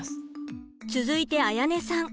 続いてあやねさん。